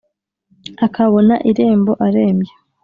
Akabona irembo arembye